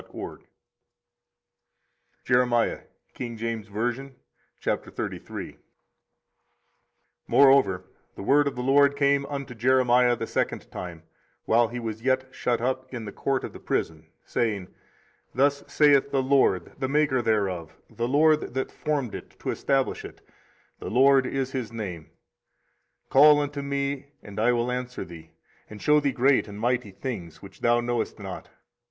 24:033:001 Moreover the word of the LORD came unto Jeremiah the second time, while he was yet shut up in the court of the prison, saying, 24:033:002 Thus saith the LORD the maker thereof, the LORD that formed it, to establish it; the LORD is his name; 24:033:003 Call unto me, and I will answer thee, and shew thee great and mighty things, which thou knowest not.